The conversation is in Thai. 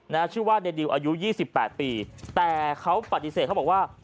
นะฮะชื่อว่าเดดิวอายุ๒๘ปีแต่เขาปฏิเสธเขาบอกว่า